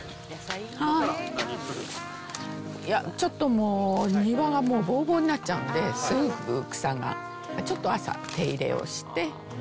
ちょっともう、庭がぼうぼうになっちゃうんで、すごく草が、ちょっと、朝手入れをして。